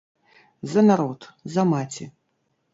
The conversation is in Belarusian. За народ, за маці.